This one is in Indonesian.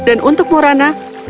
dan untuk morana